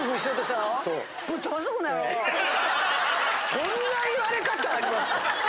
そんな言われ方ありますか？